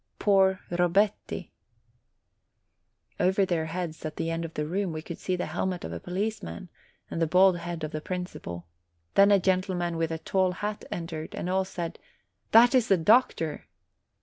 Poor Robetti !" Over their heads, at the end of the room, we could see the helmet of a policeman, and the bald head of the principal ; then a gentleman with a tall hat entered, and all said, "That is the doctor."